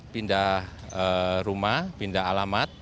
pindah rumah pindah alamat